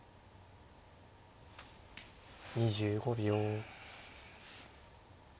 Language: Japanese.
２５秒。